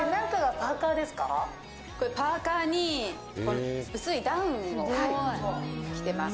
パーカーに薄いダウンを着てます。